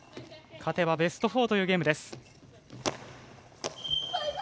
勝てばベスト４というゲームです。